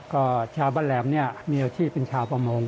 ก็ชาวบ้านแหลมเนี่ยมีอาชีพเป็นชาวประมง